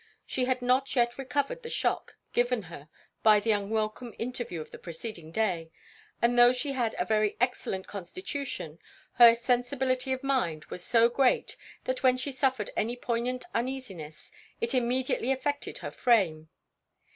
She had not yet recovered the shock given her by the unwelcome interview of the preceding day; and though she had a very excellent constitution, her sensibility of mind was so great, that when she suffered any poignant uneasiness, it immediately affected her frame.